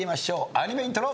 アニメイントロ。